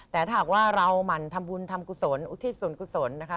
แต่ถ้าหากว่าเราหมั่นทำบุญทำกุศลอุทิศส่วนกุศลนะคะ